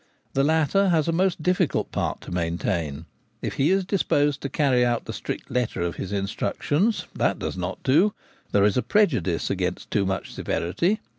The latter has a most diffi cult part to maintain. If he is disposed to carry out the strict letter of his instructions, that does not do — there is a prejudice against too much severity.